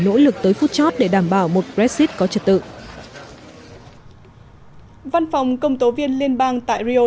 nỗ lực tới phút chót để đảm bảo một brexit có trật tự văn phòng công tố viên liên bang tại rio